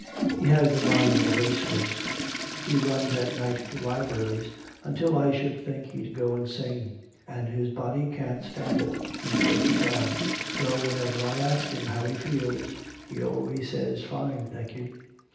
He has the mind of a race horse. He runs at night to libraries until I should think he'd go insane. And his body can't stand it, he's breaking down though whenever I ask him how he feels, he always says, 'Fine, thank you.'"